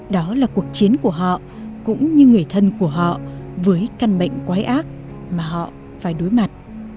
đó là cuộc chiến của họ cũng như người thân của họ với căn bệnh quái ác mà họ phải đối mặt